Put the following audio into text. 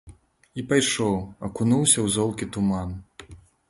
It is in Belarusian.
І пайшоў, акунуўся ў золкі туман.